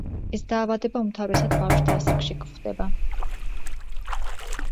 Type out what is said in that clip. ეს დაავადება უმთავრესად ბავშვთა ასაკში გვხვდება.